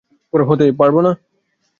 হতে পারবো না?